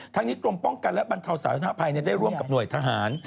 ทั้งนี้กรมป้องกันและบรรเทาสาธารณภัยได้ร่วมกับหน่วยทหาร